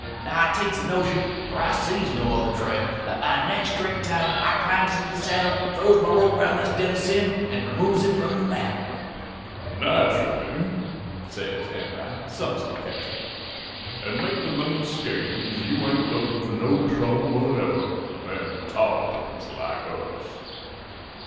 I now takes the notion for I sees no other trail that by next drink time I climbs into the saddle, throws my rope 'round this den of sin, an' removes it from the map.' "'Nacherally,' says Enright, some sarcastic, 'in makin' them schemes you ain't lookin' for no trouble whatever with a band of tarrapins like us.'